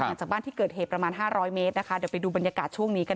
นั่งตัวคนสายเห็นอะไร